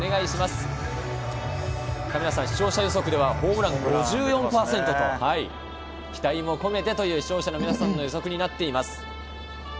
亀梨さん、視聴者予測ではホームラン５４％と期待も込めてという視聴者の皆さんの予測です。